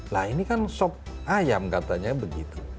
nah ini kan sop ayam katanya begitu